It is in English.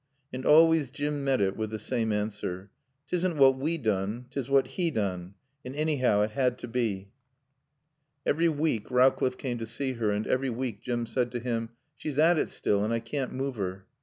And always Jim met it with the same answer: "'Tisn' what we doon; 'tis what 'e doon. An' annyhow it had to bae." Every week Rowcliffe came to see her and every week Jim said to him: "She's at it still and I caan't move 'er."